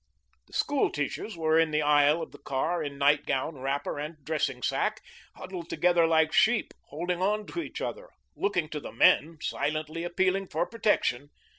The school teachers were in the aisle of the car, in night gown, wrapper, and dressing sack, huddled together like sheep, holding on to each other, looking to the men, silently appealing for protection.